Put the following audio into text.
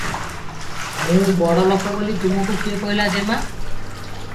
"ମୁଁ ବଡ଼ଲୋକ ବୋଲି ତମକୁ କିଏ କହିଲା ଯେମା?"